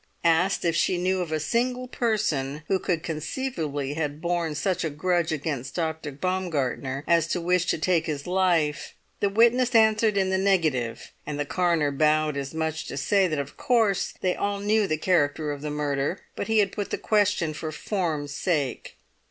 Asked if she knew of a single person who could conceivably have borne such a grudge against Dr. Baumgartner as to wish to take his life, the witness answered in the negative, and the coroner bowed as much as to say that of course they all knew the character of the murder, but he had put the question for form's sake.